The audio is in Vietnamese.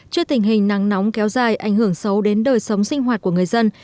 trước tình hình nắng nóng kéo dài ảnh hưởng xấu đến đời sống sinh hoạt của người dân